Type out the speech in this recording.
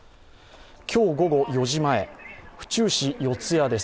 今日午後４時前、府中市四谷です。